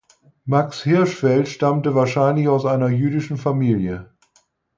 Max Hirschfeld stammte wahrscheinlich aus einer jüdischen Familie.